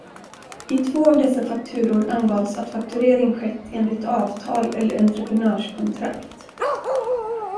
I två av dessa fakturor angavs att fakturering skett enligt avtal eller entreprenörskontrakt.